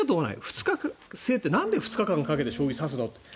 ２日制ってなんで２日間かけて将棋指すのって。